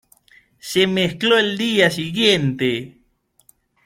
Se mezcló el día siguiente.